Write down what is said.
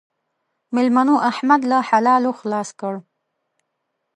مېلمنو؛ احمد له حلالو خلاص کړ.